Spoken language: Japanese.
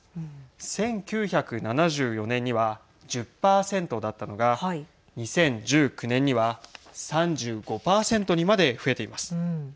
１９７４年には１０％だったのが２０１９年には３５％にまで増えています。